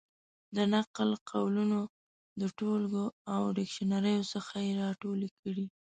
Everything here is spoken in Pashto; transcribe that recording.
د نقل قولونو د ټولګو او ډکشنریو څخه یې را ټولې کړې.